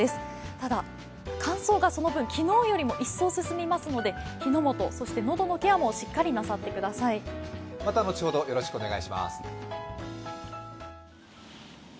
ただ乾燥がその分、昨日よりも一層進みますので火の元、そして喉のケアもしっかりなさってください。